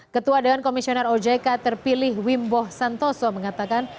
ketua dewan komisioner ojk terpilih wimbo santoso mengatakan